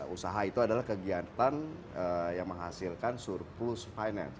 usaha itu adalah kegiatan yang menghasilkan surplus finance